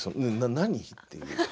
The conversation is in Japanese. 何？っていう。